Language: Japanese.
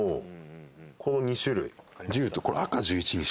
この２種類。